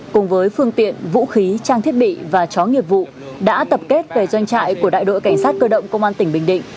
cùng với phương tiện vũ khí trang thiết bị và chó nghiệp vụ đã tập kết về doanh trại của đại đội cảnh sát cơ động công an tỉnh bình định